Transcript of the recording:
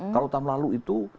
kalau tahun lalu itu